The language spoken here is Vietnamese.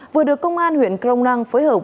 vừa được công an huyện crong năng phối hợp